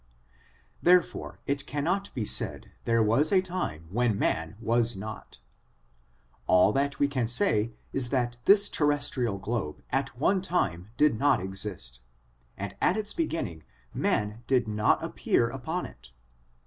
Therefore it cannot be said there was a time when man was not. All that we can say is that this ter restrial globe at one time did not exist, and at its beginning man did not appear upon it.